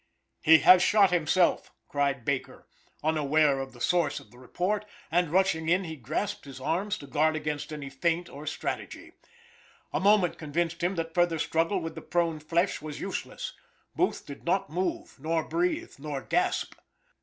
"He has shot himself!" cried Baker, unaware of the source of the report, and rushing in, he grasped his arms to guard against any feint or strategy. A moment convinced him that further struggle with the prone flesh was useless. Booth did not move, nor breathe, nor gasp.